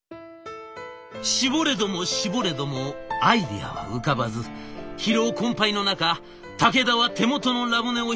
絞れども絞れどもアイデアは浮かばず疲労困ぱいの中武田は手元のラムネを１粒口に運びます。